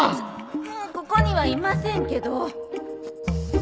もうここにはいませんけど